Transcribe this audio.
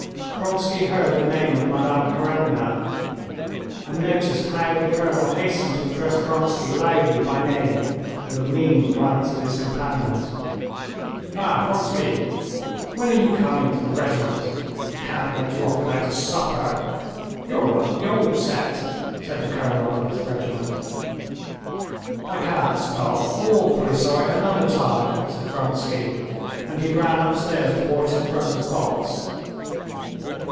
Vronsky heard the name of Madame Karenina, and noticed how the colonel hastened to address Vronsky loudly by name, with a meaning glance at his companions. "Ah, Vronsky! When are you coming to the regiment? We can't let you off without a supper. You're one of the old set," said the colonel of his regiment. "I can't stop, awfully sorry, another time," said Vronsky, and he ran upstairs towards his brother's box.